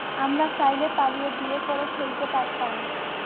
আমরা চাইলে পালিয়ে বিয়ে করে ফেলতে পারতাম।